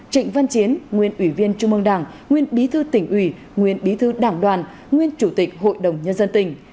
trịnh văn chiến nguyên ủy viên trung mương đảng nguyên bí thư tỉnh ủy nguyên bí thư đảng đoàn nguyên chủ tịch hội đồng nhân dân tỉnh